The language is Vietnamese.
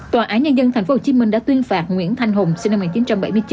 tòa án nhân dân tp hcm đã tuyên phạt nguyễn thanh hùng sinh năm một nghìn chín trăm bảy mươi chín